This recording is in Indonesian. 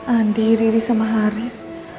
andi riri sama haris